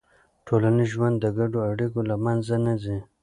ټولنیز ژوند د ګډو اړیکو له منځه نه ځي.